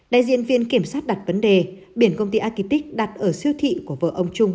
đại diện viện kiểm sát đặt vấn đề biển công ty agitics đặt ở siêu thị của vợ ông trung